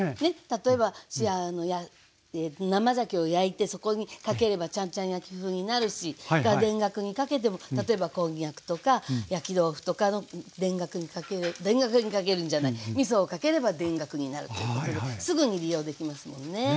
例えば生ざけを焼いてそこにかければちゃんちゃん焼き風になるし田楽にかけても例えばこんにゃくとか焼き豆腐とか田楽にかける田楽にかけるんじゃないみそをかければ田楽になるということですぐに利用できますもんね。